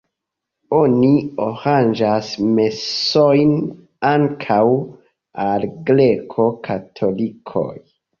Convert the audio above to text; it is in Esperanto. Oni aranĝas mesojn ankaŭ al greko-katolikoj.